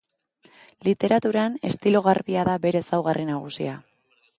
Literaturan, estilo garbia da bere ezaugarri nagusia.